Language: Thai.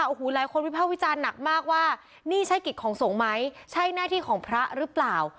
โอ้โหหลายคนวิภาควิจารณ์หนักมากว่านี่ใช่กิจของสงฆ์ไหมใช่หน้าที่ของพระหรือเปล่า